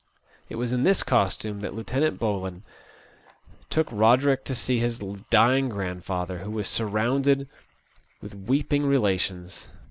It was in this costume that Lieutenant Bowline took Roderick to see his dying grandfather, who was surrounded with weeping relations.